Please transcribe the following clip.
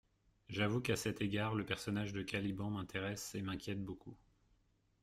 J'avoue qu'à cet égard le personnage de Caliban m'intéresse et m'inquiète beaucoup.